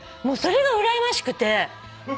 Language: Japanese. もうそれがうらやましくて。